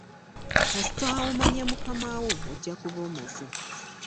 Kasita omanya mukama wo ojja kuba omaze.